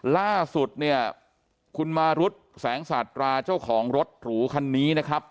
ล่าสุดเนี่ยคุณมารุธแสงสาตราเจ้าของรถหรูคันนี้นะครับ